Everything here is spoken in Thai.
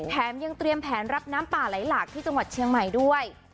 แถมยังเตรียมแผนรับน้ำป่าไหลหลากที่จังหวัดเชียงใหม่ด้วย